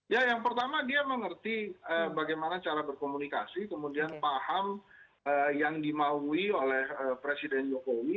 ya yang pertama dia mengerti bagaimana cara berkomunikasi kemudian paham yang dimaui oleh presiden jokowi